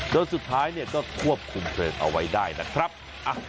โดยสุดท้ายเนี่ยก็ควบคุมเขียนเอาไว้ได้นะครับอ่ะ